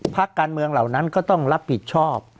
พักการเมืองเหล่านั้นก็ต้องรับผิดชอบ